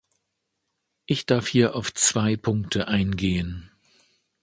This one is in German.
Ich darf hier auf zwei Punkte eingehen.